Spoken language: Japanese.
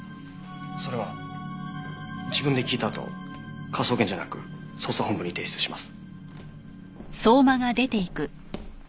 それは自分で聞いたあと科捜研じゃなく捜査本部に提出します。